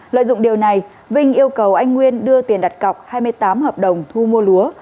lợi dụng điều này vinh yêu cầu anh nguyên đưa tiền đặt cọc hai mươi tám hợp đồng thu mua lúa